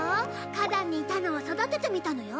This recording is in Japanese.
花壇にいたのを育ててみたのよ。